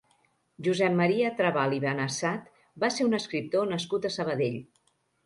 Josep Maria Trabal i Benessat va ser un escriptor nascut a Sabadell.